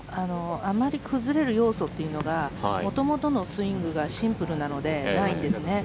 あまり崩れる要素というのが元々のスイングがシンプルなのでないんですね。